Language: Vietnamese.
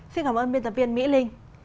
xin cảm ơn biên tập viên mỹ linh